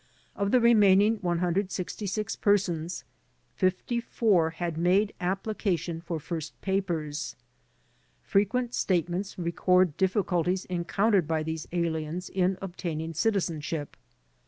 Of the remaining 166 persons, 54 had made application for first papers.* Frequent statements record difficulties encoim tered by these aliens in obtaining citizenship.